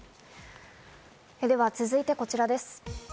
では続いてこちらです。